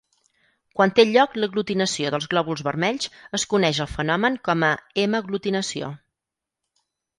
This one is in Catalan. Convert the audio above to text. Quan té lloc l'aglutinació dels glòbuls vermells, es coneix el fenomen com a hemaglutinació.